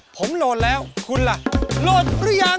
ผมโหลดแล้วคุณล่ะโหลดหรือยัง